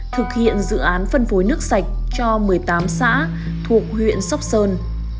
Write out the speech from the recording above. thực hiện dự án phân phối nước sạch cho một mươi tám xã thuộc huyện sóc sơn